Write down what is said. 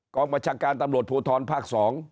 กองบัชการตำรวจภูทรภาค๒